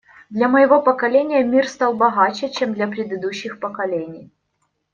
Для моего поколения мир стал богаче, чем для предыдущих поколений.